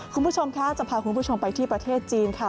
คุณผู้ชมค่ะจะพาคุณผู้ชมไปที่ประเทศจีนค่ะ